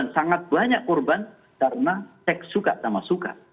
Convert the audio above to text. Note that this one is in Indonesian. sangat banyak korban karena seks suka sama suka